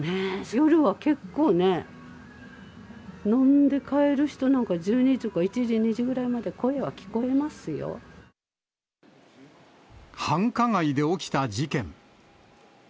夜は結構ね、飲んで帰る人なんか、１２時とか、１時、繁華街で起きた事件。